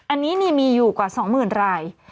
อันนี้มีอยู่กว่า๒๐๐๐ราย